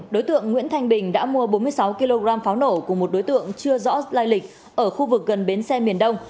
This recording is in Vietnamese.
đối tượng nguyễn thanh bình đã mua bốn mươi sáu kg pháo nổ của một đối tượng chưa rõ lai lịch ở khu vực gần bến xe miền đông